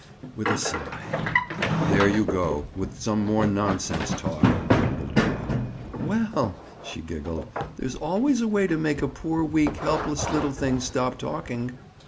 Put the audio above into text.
With a sigh. "There you go, with some more nonsense talk!" grumbled Bob. "Well," she giggled, "there's always a way to make a poor, weak, helpless little thing stop talking."